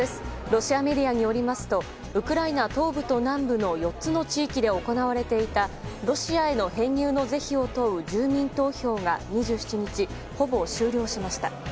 ロシアメディアによりますとウクライナ東部と南部の４つの地域で行われていたロシアへの編入のぜひを問う住民投票が２７日ほぼ終了しました。